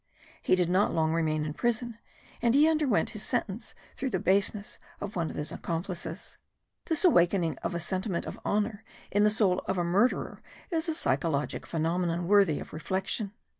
He did not long remain in prison, and he underwent his sentence through the baseness of one of his accomplices. This awakening of a sentiment of honour in the soul of a murderer is a psychologic phenomenon worthy of reflection.